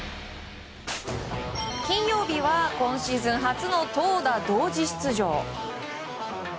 金曜日は今シーズン初の投打同時出場。